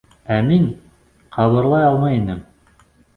Ә мин ҡыбырлай алмай инем.